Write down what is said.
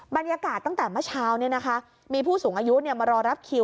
บรรยากาศตั้งแต่เมื่อเช้ามีผู้สูงอายุมารอรับคิว